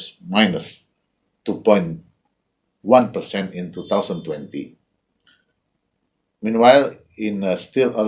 sementara itu masih di awal tahun dua ribu dua puluh dua